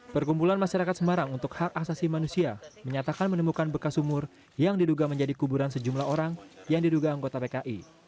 perkumpulan masyarakat semarang untuk hak asasi manusia menyatakan menemukan bekas sumur yang diduga menjadi kuburan sejumlah orang yang diduga anggota pki